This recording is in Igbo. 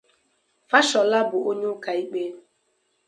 Fashola bu onye uka ikpe.